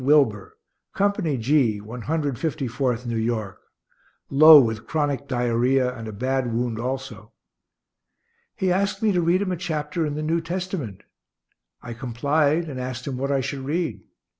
Wilber, Company G, One Hundred Fifty fourth New York, low with chronic diarrhoea and a bad wound also. He asked me to read him a chapter in the New Testament. I complied and asked him what I should read.